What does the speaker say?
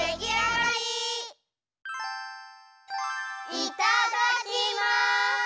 いただきます！